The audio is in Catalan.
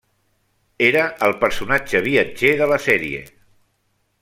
Era el personatge viatger de la sèrie.